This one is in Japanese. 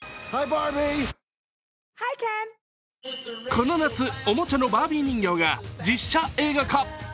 この夏、おもちゃのバービー人形が実写映画化。